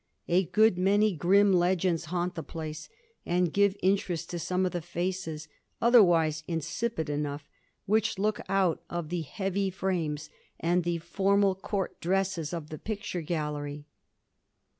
A good many grim legends haunt the place and give interest to some of the faces, other wise insipid enough, which look out of the heavy frames and the formal court dresses of the picture gallery.